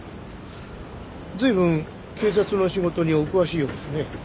随分警察の仕事にお詳しいようですね。